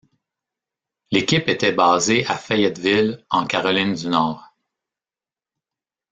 L'équipe était basée à Fayetteville en Caroline du Nord.